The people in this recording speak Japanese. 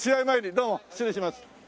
どうも失礼します。